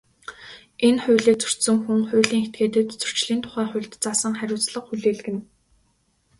Энэ хуулийг зөрчсөн хүн, хуулийн этгээдэд Зөрчлийн тухай хуульд заасан хариуцлага хүлээлгэнэ.